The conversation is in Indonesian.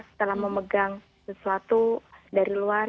setelah memegang sesuatu dari luar